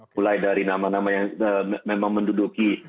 mulai dari nama nama yang memang menduduki